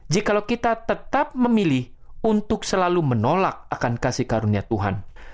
jikalau kita tetap memilih untuk selalu menolak akan kasih karunia tuhan